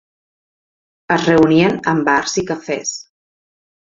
Es reunien en bars i cafès.